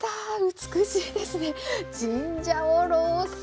美しいですね。